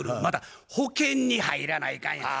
また保険に入らないかん。